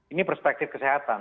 ini perspektif kesehatan